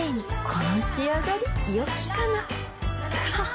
この仕上がりよきかなははっ